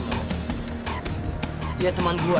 dia teman gue